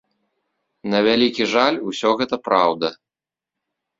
На вялікі жаль, усё гэта праўда.